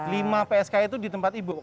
lima psk itu di tempat ibu